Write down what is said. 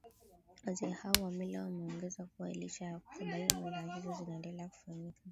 Wazee hao wa mila wameongeza kuwa licha ya kuwa bado mila hizo zinaendelea kufanyika